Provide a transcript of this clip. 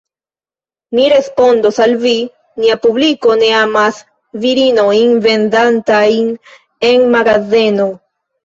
Mi respondos al vi: nia publiko ne amas virinojn vendantajn en magazeno.